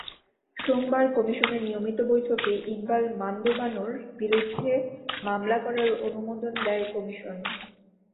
সোমবার কমিশনের নিয়মিত বৈঠকে ইকবাল মান্দ বানুর বিরুদ্ধে মামলা করার অনুমোদন দেয় কমিশন।